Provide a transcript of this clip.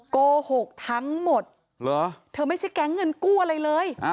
โกหกทั้งหมดเธอไม่ใช่แก๊งเงินกู้อะไรเลย